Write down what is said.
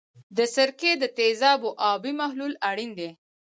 د سرکې د تیزابو آبي محلول اړین دی.